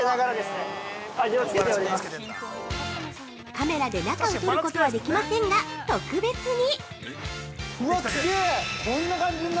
◆カメラで中を撮ることはできませんが、特別に！